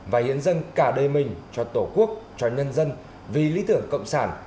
và hiến dân cả đời mình cho tổ quốc cho nhân dân vì lý tưởng cộng sản